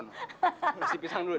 kasih pisang dulu deh